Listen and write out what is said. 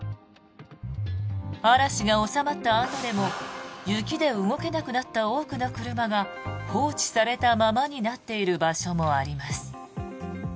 嵐が治まったあとでも雪で動けなくなった多くの車が放置されたままになっている場所もあります。